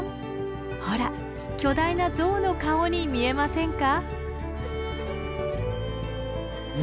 ほら巨大な象の顔に見えませんか？